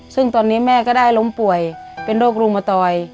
ซึ่งตอนนี้แม่ก็ได้ล้มป่วยเป็นโรครุมตอย